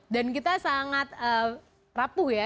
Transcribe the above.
dan kita sangat rapuh ya